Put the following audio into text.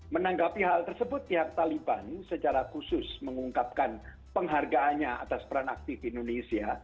menanggapi hal tersebut pihak taliban secara khusus mengungkapkan penghargaannya atas peran aktif indonesia